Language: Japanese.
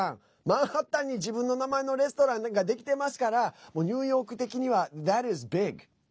マンハッタンに自分の名前のレストランができてますからニューヨーク的にはＴｈａｔｉｓｂｉｇ！